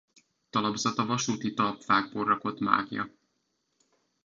Talapzata vasúti talpfákból rakott máglya.